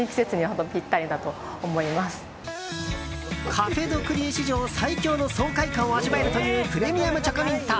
カフェ・ド・クリエ史上最強の爽快感を味わえるというプレミアムチョコミント。